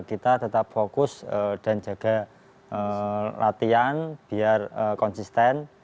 kita tetap fokus dan jaga latihan biar konsisten